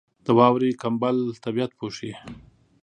• د واورې کمبل طبیعت پوښي.